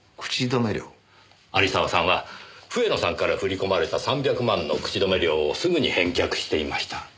有沢さんは笛野さんから振り込まれた３００万の口止め料をすぐに返却していました。